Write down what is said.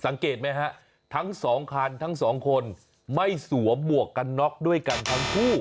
สังเกตไหมฮะทั้งสองคันทั้งสองคนไม่สวมหมวกกันน็อกด้วยกันทั้งคู่